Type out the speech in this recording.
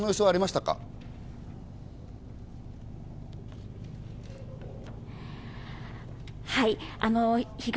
はい。